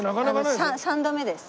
３度目です